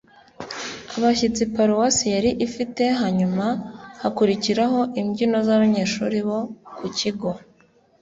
abashyitsi paruwasi yari ifite, hanyuma hakurikiraho imbyino z’abanyeshuri bo ku kigo